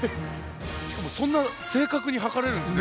しかもそんな正確に測れるんですね。